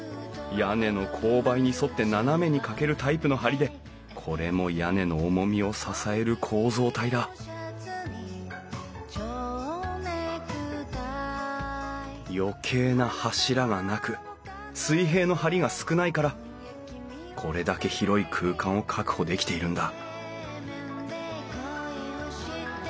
屋根の勾配に沿って斜めにかけるタイプの梁でこれも屋根の重みを支える構造体だ余計な柱がなく水平の梁が少ないからこれだけ広い空間を確保できているんだ